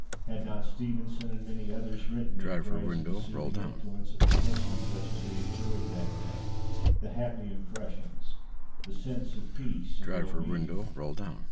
Had not Stevenson and many others written in praise of the soothing influ ence of conditions such as we enjoyed that day, the happy impressions, the sense of peace and well being